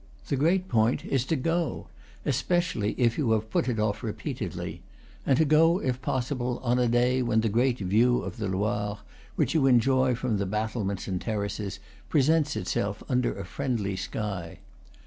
The great point is to go, especially if you have put it off repeatedly; and to go, if possible, on a day when the great view of the Loire, which you enjoy from the battlements and terraces, presents itself under a friendly sky.